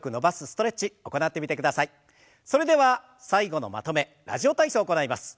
それでは最後のまとめ「ラジオ体操」を行います。